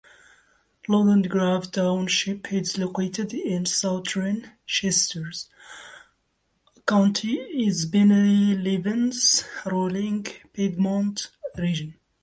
London Grove Township is located in southern Chester County in Pennsylvania's rolling Piedmont region.